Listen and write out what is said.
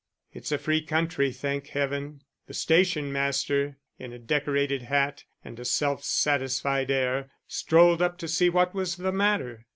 (It's a free country, thank Heaven!) The station master, in a decorated hat and a self satisfied air, strolled up to see what was the matter.